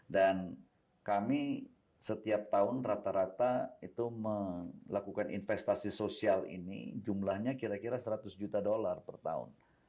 dan kami setiap tahun rata rata itu melakukan investasi sosial ini jumlahnya kira kira seratus juta dollar per tahun